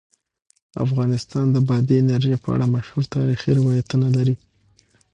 افغانستان د بادي انرژي په اړه مشهور تاریخی روایتونه لري.